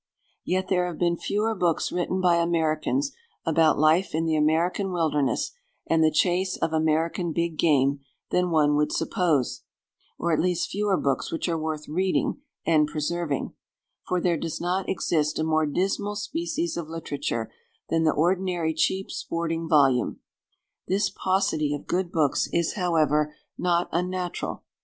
Yet there have been fewer books written by Americans about life in the American wilderness and the chase of American big game than one would suppose, or at least fewer books which are worth reading and preserving; for there does not exist a more dismal species of literature than the ordinary cheap sporting volume. This paucity of good books is, however, not unnatural.